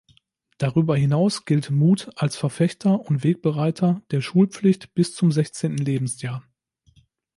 Darüber hinaus gilt Muth als Verfechter und Wegbereiter der Schulpflicht bis zum sechzehnten Lebensjahr.